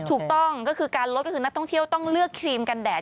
ถูกต้องก็คือการลดก็คือนักท่องเที่ยวต้องเลือกครีมกันแดด